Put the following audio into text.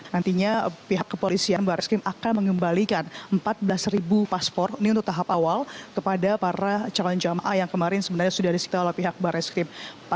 nantinya pihak kepolisian barreskrim akan mengembalikan empat belas paspor ini untuk tahap awal kepada para calon jamaah yang kemarin sebenarnya sudah disita oleh pihak barreskrim